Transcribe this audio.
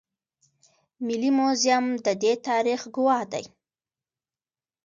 ملي موزیم د دې تاریخ ګواه دی